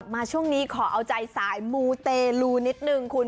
มาช่วงนี้ขอเอาใจสายมูเตลูนิดนึงคุณ